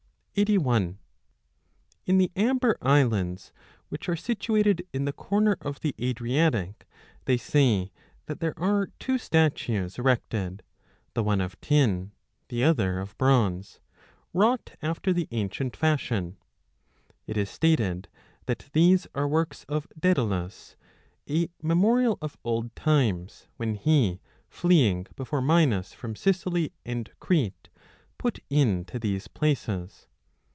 25 In the Amber islands, which are situated in the corner 8l of the Adriatic, they say that there are two statues erected, the one of tin, the other of bronze, wrought after the ancient fashion. It is stated that these are works of Daedalus, a memorial of old times, when he, fleeing before 30 Minos from Sicily and Crete, put in to these places.